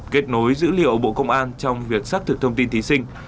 kết nối dữ liệu bộ công an trong việc xác thực thông tin thí sinh